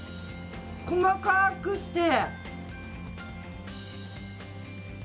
細かくして。